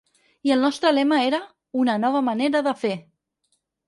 I el nostre lema era ‘Una nova manera de fer’.